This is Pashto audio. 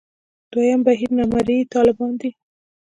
دویم بهیر نامرئي طالبان دي.